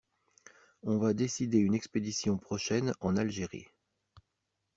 On va décider une expédition prochaine en Algérie.